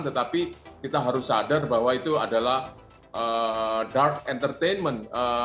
tetapi kita harus sadar bahwa itu adalah dark entertainment